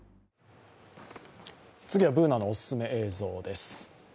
次はＢｏｏｎａのおすすめ映像です。